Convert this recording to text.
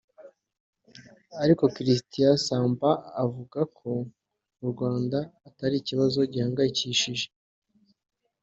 ariko Cristián Samper avuga ko mu Rwanda atari ikibazo gihangayikishije